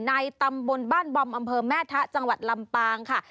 ในตำบลบ้านบอมอำเภอแม่ทะจังหวัดลำปางค่ะ